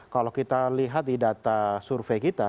kalau kita lihat di data survei kita